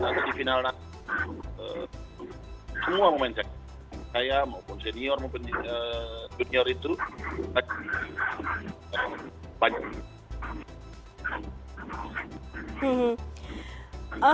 saya maupun senior maupun junior itu banyak